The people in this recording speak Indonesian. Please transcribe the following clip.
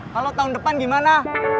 kalau tahun depan gimana